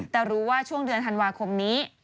แต่รู้ว่าช่วงเดือนธันวาคมนี้